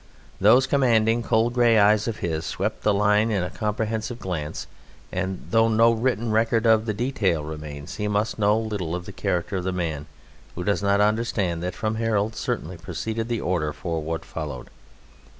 Those commanding, cold grey eyes of his swept the line in a comprehensive glance, and though no written record of the detail remains, he must know little of the character of the man who does not understand that from Harold certainly proceeded the order for what followed.